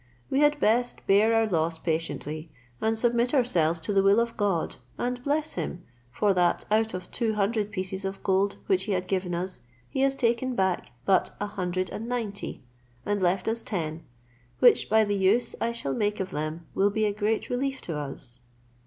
We had best bear our loss patiently, and submit ourselves to the will of God, and bless him, for that out of two hundred pieces of gold which he had given us, he has taken back but a hundred and ninety, and left us ten, which, by the use I shall make of them will be a great relief to us."